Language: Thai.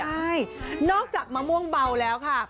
ใช่นอกจากมะม่วงเบาแล้วค่ะ